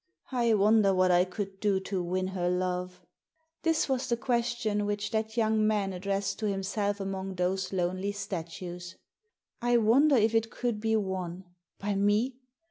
" I wonder what I could do to win her love ?" This was the question which that young man addressed to himself among those lonely statues. " I wonder if it could be won ? By me